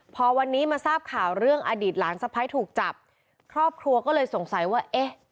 พอวันนี้มาทราบข่าวเรื่องอดีตหลานสะพ้ายถูกจับครอบครัวก็เลยสงสัยว่าเอ๊ะ